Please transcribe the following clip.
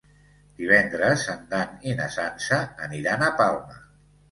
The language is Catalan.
Divendres en Dan i na Sança aniran a Palma.